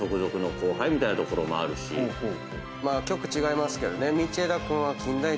まあ局違いますけどね。